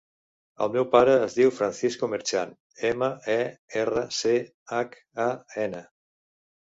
El meu pare es diu Francisco Merchan: ema, e, erra, ce, hac, a, ena.